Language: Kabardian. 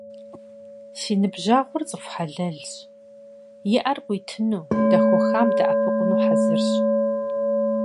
Си ныбжьэгъур цӏыху хьэлэлщ - иӀэр къуитыну, дэхуэхам дэӀэпыкъуну хьэзырщ.